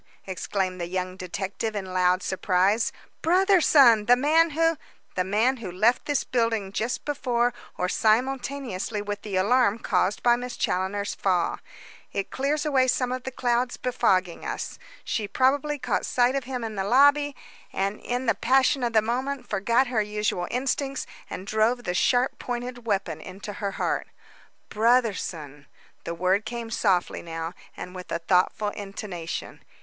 exclaimed the young detective in loud surprise. "Brotherson! The man who " "The man who left this building just before or simultaneously with the alarm caused by Miss Challoner's fall. It clears away some of the clouds befogging us. She probably caught sight of him in the lobby, and in the passion of the moment forgot her usual instincts and drove the sharp pointed weapon into her heart." "Brotherson!" The word came softly now, and with a thoughtful intonation.